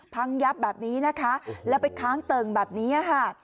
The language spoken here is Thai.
พังยับแบบนี้นะคะแล้วไปค้างเติ่งแบบนี้ค่ะ